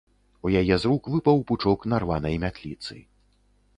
У яе з рук выпаў пучок нарванай мятліцы.